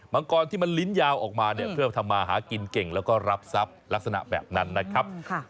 ังกรที่มันลิ้นยาวออกมาเนี่ยเพื่อทำมาหากินเก่งแล้วก็รับทรัพย์ลักษณะแบบนั้นนะครับ